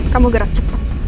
kamu gerak cepet